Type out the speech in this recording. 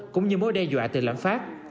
cũng như mối đe dọa từ lãnh pháp